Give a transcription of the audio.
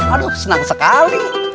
aduh senang sekali